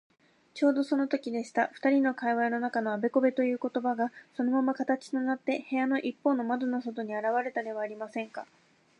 ちょうどそのときでした。ふたりの会話の中のあべこべということばが、そのまま形となって、部屋のいっぽうの窓の外にあらわれたではありませんか。